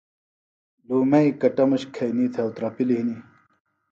لُومئیۡ کٹموش کھئِنی تھےۡ اُترپِلیۡ ہنیۡ